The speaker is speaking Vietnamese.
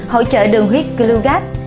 hỗ trợ đường huyết glugas